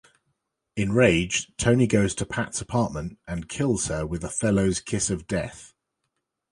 Enraged, Tony goes to Pat's apartment and kills her with Othello's kiss of death.